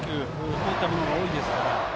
こういったものが多いですから。